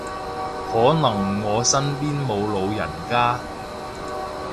可能我身邊冇老人家